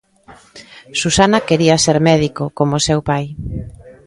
Susana quería ser médico como seu pai.